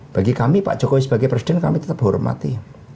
bagi kami pak jokowi sebagai presiden kami tetap hormati